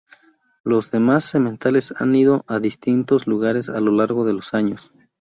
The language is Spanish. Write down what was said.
Los demás sementales han ido a distintos lugares a lo largo de los años.